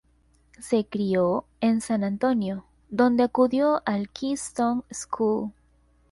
Se crio en San Antonio, donde acudió al Keystone School.